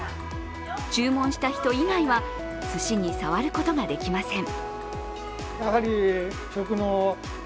注文した人以外は、すしに触ることができません。